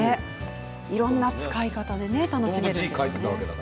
いろんな使い方で楽しめます。